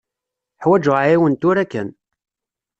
Ḥwaǧeɣ aɛiwen tura kan.